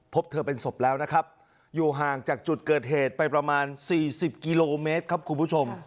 พบเธอเป็นศพแล้วนะครับอยู่ห่างจากจุดเกิดเหตุไปประมาณ๔๐กิโลเมตรครับคุณผู้ชม